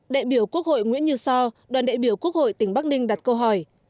đại biểu quốc hội nguyễn như so đoàn đại biểu quốc hội tỉnh bắc ninh đặt câu hỏi